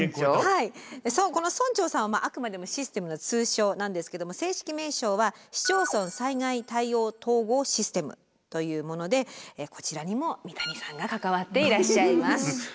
この村長さんはあくまでもシステムの通称なんですけども正式名称は市町村災害対応統合システムというものでこちらにも三谷さんが関わっていらっしゃいます。